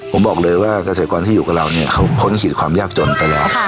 ผมบอกเลยว่าเกษตรกรที่อยู่กับเราเนี่ยเขาพ้นขีดความยากจนไปแล้ว